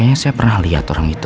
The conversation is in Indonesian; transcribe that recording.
makanya saya pernah lihat orang itu